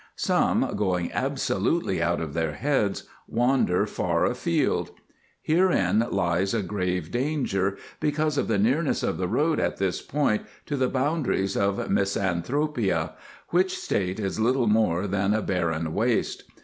Some, going absolutely out of their heads, wander far afield. Herein lies a grave danger because of the nearness of the road at this point to the boundaries of Misanthropia, which state is little more than a barren waste.